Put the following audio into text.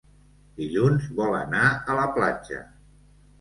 Dilluns vol anar a la platja.